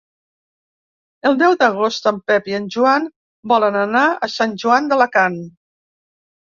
El deu d'agost en Pep i en Joan volen anar a Sant Joan d'Alacant.